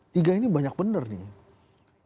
tiga ini banyak bener nih